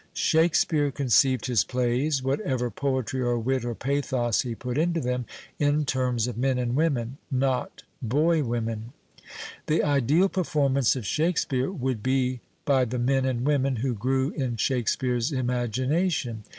Shakespeare conceived his plays, whatever poetry or wit or pathos he put into them, in terms of men and women (not boy women). The ideal ])erformanec of Shakespeare would be by the men and women who grew in Shakespeare's imagination.